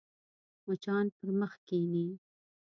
مچان پر مخ کښېني